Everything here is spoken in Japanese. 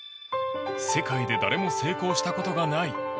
世界で誰も成功したことがない